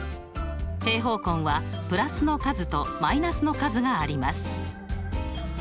平方根はプラスの数とマイナスの数があります。